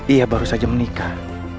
ia baru saja menikah